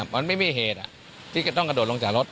มันไม่มีเหตุที่จะต้องกระโดดลงจากรถ